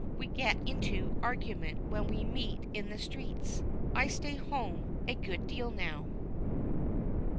We get into argument when we meet in the streets. I stay at home a good deal now.